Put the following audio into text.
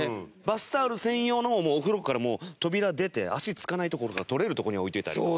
バスタオル専用のをもうお風呂から扉出て足つかない所から取れるとこに置いておいたらいい。